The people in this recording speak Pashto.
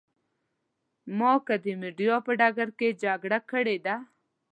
ما که د مېډیا په ډګر کې جګړه کړې ده.